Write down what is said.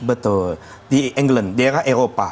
betul di england daerah eropa